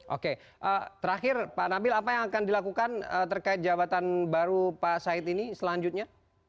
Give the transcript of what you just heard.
oke terakhir pak nabil apa yang akan dilakukan terkait jabatan baru pak said ini selanjutnya